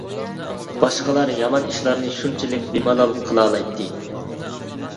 باشقىلار يامان ئىشلارنى شۇنچىلىك بىمالال قىلالايتتى.